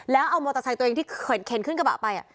แล้วเอามอเตอร์ไซค์ตัวเองที่เข็นขึ้นกระบะไป